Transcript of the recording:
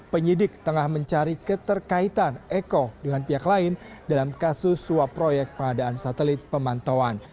penyidik tengah mencari keterkaitan eko dengan pihak lain dalam kasus suap proyek pengadaan satelit pemantauan